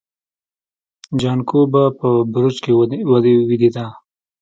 جانکو به په برج کې ويدېده.